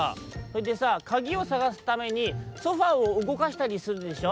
「それでさあかぎをさがすためにソファーをうごかしたりするでしょ」。